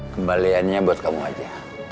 kembaliannya buat kamu aja